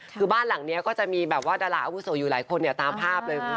คือบ้านหลังนี้ก็จะมีแบบว่าดาราอาวุโสอยู่หลายคนเนี่ยตามภาพเลย